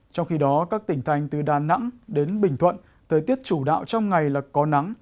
trong khi đó các tỉnh thành từ đà nẵng đến bình thuận thời tiết chủ đạo trong ngày là có nắng